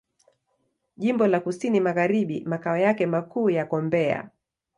Jimbo la Kusini Magharibi Makao yake makuu yako Mbeya.